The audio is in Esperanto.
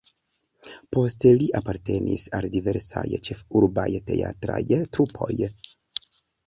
Poste li apartenis al diversaj ĉefurbaj teatraj trupoj.